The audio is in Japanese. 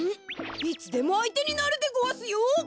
いつでもあいてになるでごわすよ！